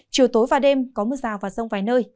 chiều tối và đêm có mưa sào và sông vài nơi